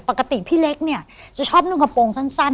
ปกติพี่เล็กเนี่ยจะชอบนุ่งกระโปรงสั้น